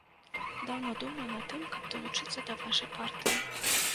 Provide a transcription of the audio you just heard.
Даўно думаю над тым, каб далучыцца да вашай партыі.